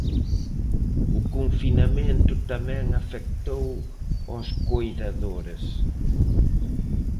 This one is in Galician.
O confinamento tamén afectou aos coidadores.